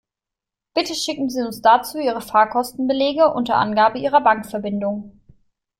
Bitte schicken Sie uns dazu Ihre Fahrkostenbelege unter Angabe Ihrer Bankverbindung.